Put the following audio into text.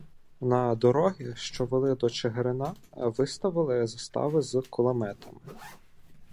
На дороги, що вели до Чигирина, виставили застави з кулеметами.